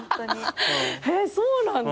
へぇそうなんだ。